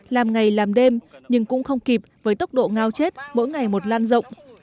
làm ngày làm đêm nhưng cũng không kịp với tốc độ ngao chết mỗi ngày một lan rộng